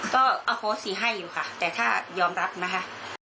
ก็เอาโค้สีให้อยู่ค่ะแต่ถ้ายอมรับนะคะ